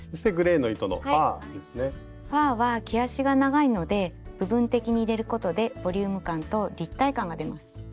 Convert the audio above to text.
ファーは毛足が長いので部分的に入れることでボリューム感と立体感が出ます。